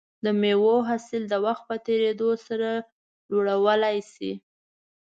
د مېوو حاصل د وخت په تېریدو سره لوړولی شي.